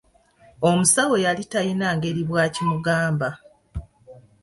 Omusawo yali talina ngeri bw'akimugamba.